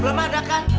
belum ada kan